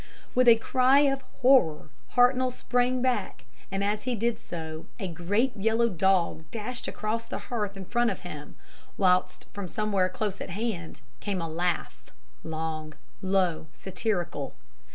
"With a cry of horror Hartnoll sprang back, and as he did so a great yellow dog dashed across the hearth in front of him, whilst from somewhere close at hand came a laugh long, low and satirical.